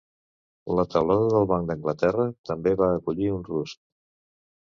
La teulada del Banc d'Anglaterra també va acollir un rusc.